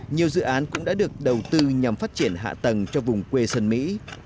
nhiều dự án cũng đã được đầu tư nhằm phát triển hạ tầng cho vùng quê sơn mỹ